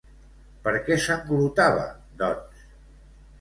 Per què sanglotava, doncs?